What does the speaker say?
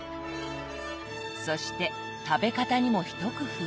そして食べ方にも一工夫。